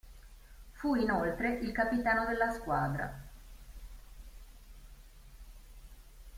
Fu inoltre il capitano della squadra.